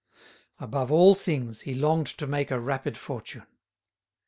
Above all things, he longed to make a rapid fortune.